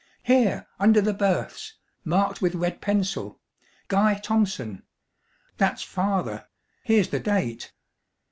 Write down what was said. "Here, under the Births marked with red pencil 'Guy Thompson!' That's Father here's the date.